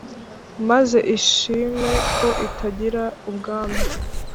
maze ishime ko itagira ubwami